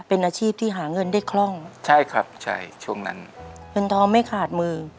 เป็นอาชีพที่หาเงินได้คล่องใช่ครับใช่ช่วงนั้นเงินทองไม่ขาดมือ